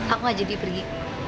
aku ajak dia pergi